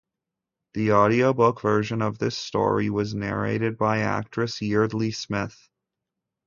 The audiobook version of this story was narrated by actress Yeardley Smith.